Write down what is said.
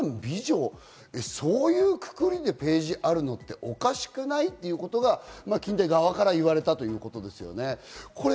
でもここにきて美男・美女、そういうくくりでページあるのっておかしくない？っていうことが近大側から言われたということですよね。